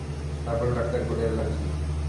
তার পরেও ডাক্তার বলে অ্যালার্জি।